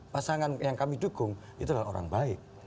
pasangan yang kami dukung itu adalah orang baik